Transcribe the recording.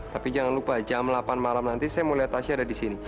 tapi jangan lupa jam delapan malam nanti saya mau lihat tasya ada di sini